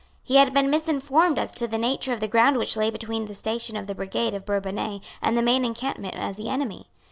He had been misinformed as to the nature of the ground which lay between the station of the brigade of Bourbonnais and the main encampment of the enemy.